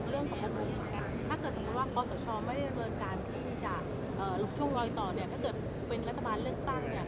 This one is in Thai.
ระิบาลเรียกตั้ง